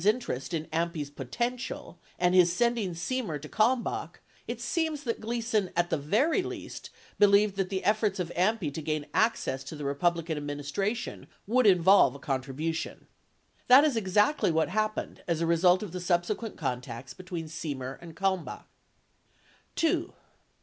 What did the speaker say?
589 interest in AMPI's "potential," and his sending Semer to Kalmbach, it seems that Gleason at the very least believed that the efforts of AMPI to gain access to the Republican administration would involve a con tribution. That is exactly what happened as a result of the subsequent contacts between Seiner and Kalmbach. 2.